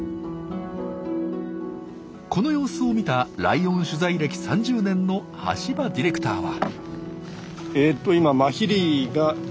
この様子を見たライオン取材歴３０年の橋場ディレクターは。